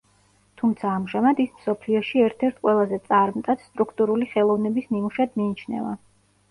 თუმცა ამჟამად ის მსოფლიოში ერთ-ერთ ყველაზე წარმტაც სტრუქტურული ხელოვნების ნიმუშად მიიჩნევა.